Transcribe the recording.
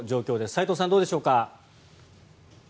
齋藤さん、どうでしょうか。